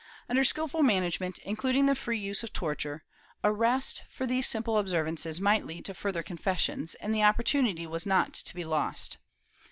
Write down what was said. Under skilful management, including the free use of torture, arrest for these simple observances might lead to further confessions, and the opportunity was not to be lost.